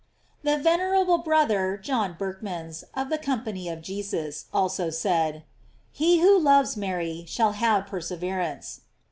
The venerable brother John Berchmans, of the Company of Jesus, also said: He who loves Mary, shall have perseverance.